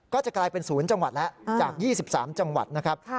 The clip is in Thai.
ก็จะกลายเป็น๐จังหวัดแล้วจาก๒๓จังหวัดนะครับ